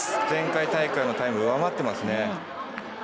前回大会のタイムを上回っていますね。